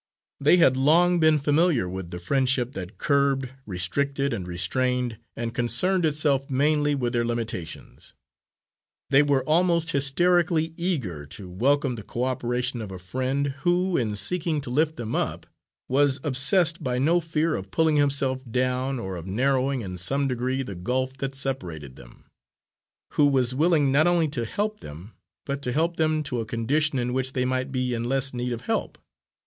They had long been familiar with the friendship that curbed, restricted and restrained, and concerned itself mainly with their limitations. They were almost hysterically eager to welcome the co operation of a friend who, in seeking to lift them up, was obsessed by no fear of pulling himself down or of narrowing in some degree the gulf that separated them who was willing not only to help them, but to help them to a condition in which they might be in less need of help.